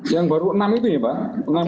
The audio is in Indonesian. yang baru enam itu ya pak